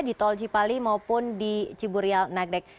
di tol cipali maupun di ciburial nagrek